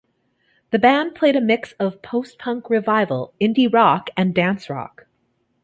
The band played a mix of post-punk revival, indie rock, and dance-rock.